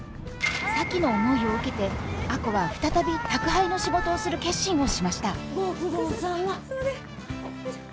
咲妃の思いを受けて亜子は再び宅配の仕事をする決心をしましたご苦労さま。